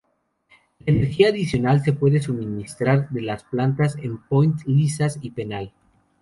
La energía adicional se puede suministrar de las plantas en Point Lisas y Penal.